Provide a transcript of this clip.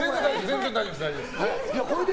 全然大丈夫です。